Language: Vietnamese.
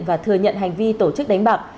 và thừa nhận hành vi tổ chức đánh bạc